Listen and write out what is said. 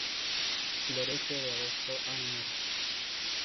Florece de agosto a enero.